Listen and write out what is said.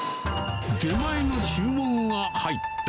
出前の注文が入った。